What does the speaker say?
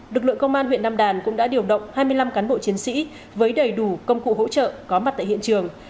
lực lượng công an huyện nam đàn cũng đã điều động hai mươi năm cán bộ chiến sĩ với đầy đủ công cụ hỗ trợ có mặt tại hiện trường